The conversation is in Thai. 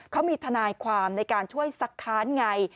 เขามีทนายความในการช่วยสักค้านไง